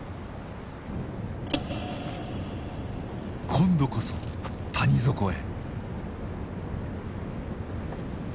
今度こそ谷底へ。